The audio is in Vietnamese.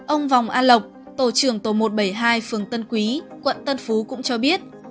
ông vòng a lộc tổ trưởng tổ một trăm bảy mươi hai phường tân quý quận tân phú cũng cho biết